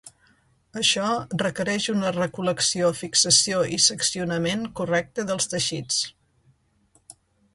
Això requereix una recol·lecció, fixació i seccionament correcta dels teixits.